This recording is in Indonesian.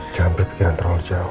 jangan berpikiran terlalu jauh